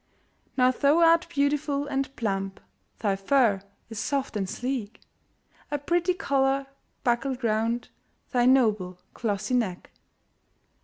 Now thou art beautiful and plump. Thy fur is soft and sleek, A pretty collar buckled round Thy noble, glossy neck.